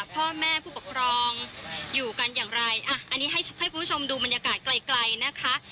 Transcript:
พ่อแม่ผู้ปกครองอยู่กันอย่างไรอ่ะอันนี้ให้คุณผู้ชมดูบรรยากาศไกลนะคะ